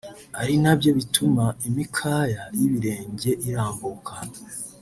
ari nabyo bituma imikaya y’ibirenge irambuka